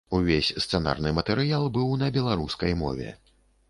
Увесь сцэнарны матэрыял быў на беларускай мове.